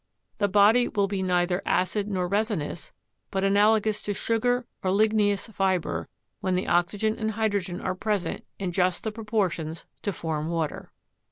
The body will be neither acid nor resinous, but analo gous to sugar or ligneous fiber, when the oxygen and hydrogen are present in just the proportions to form water.